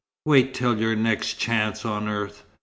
"Wait till your next chance on earth.